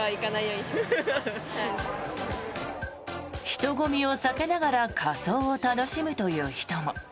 人混みを避けながら仮装を楽しむという人も。